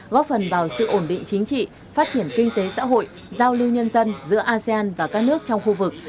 góp phần vào sự ổn định chính trị phát triển kinh tế xã hội giao lưu nhân dân giữa asean và các nước trong khu vực